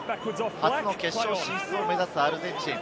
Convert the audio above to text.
初の決勝進出を目指すアルゼンチン。